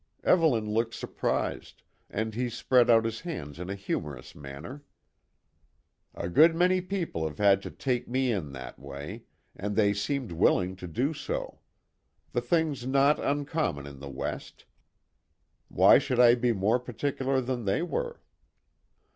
Evelyn looked surprised, and he spread out his hands in a humorous manner. "A good many people have had to take me in that way, and they seemed willing to do so; the thing's not uncommon in the West. Why should I be more particular than they were?"